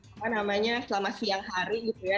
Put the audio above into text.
apa namanya selama siang hari gitu ya